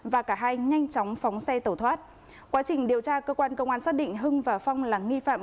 và cả hai nhanh chóng phóng xe tẩu thoát quá trình điều tra cơ quan công an xác định hưng và phong là nghi phạm